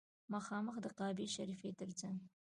مخامخ د کعبې شریفې تر څنګ.